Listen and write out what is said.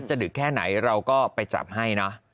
ดึกแค่ไหนเราก็ไปจับให้นะ